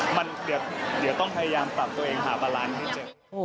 มันเดี๋ยวต้องพยายามปรับตัวเองหาบาลานซ์ให้เจอ